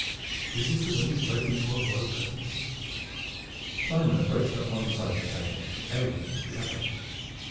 Is this the way to break into our royal presence?" Simon approached up one side of the table and Aylward up the other.